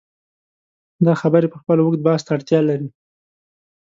دا خبرې پخپله اوږد بحث ته اړتیا لري.